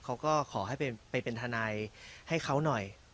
เขาก็ขอให้ไปเป็นทนายให้เขาหน่อย